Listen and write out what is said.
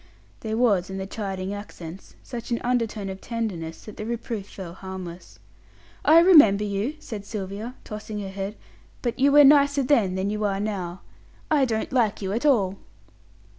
There was in the chiding accents such an undertone of tenderness, that the reproof fell harmless. "I remember you," said Sylvia, tossing her head; "but you were nicer then than you are now. I don't like you at all."